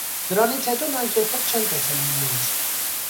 Դրանից հետո նրանք երբեք չեն տեսել միմյանց։